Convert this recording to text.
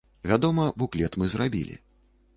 Вядома, буклет мы зрабілі.